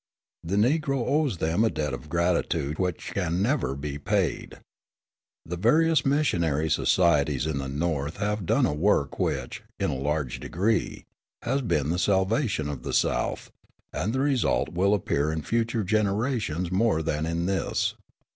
The Negro owes them a debt of gratitude which can never be paid. The various missionary societies in the North have done a work which, in a large degree, has been the salvation of the South; and the result will appear in future generations more than in this.